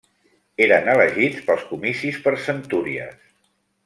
Eren elegits pels comicis per centúries.